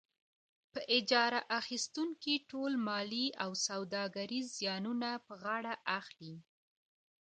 په اجاره اخیستونکی ټول مالي او سوداګریز زیانونه په غاړه اخلي.